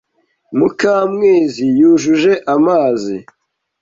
Mukamwezi yujuje amazi.